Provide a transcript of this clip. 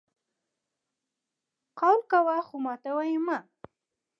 قول کوه خو ماتوه یې مه!